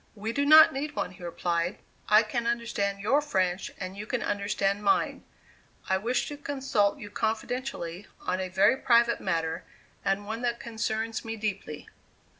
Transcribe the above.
"We do not need one," he replied; "I can understand your French, and you can understand mine; I wish to consult you confidentially on a very private matter, and one that concerns me deeply."